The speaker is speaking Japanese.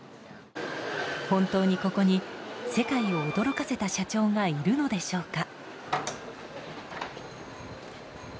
本当にここに、世界を驚かせた社長がいるのでしょうか？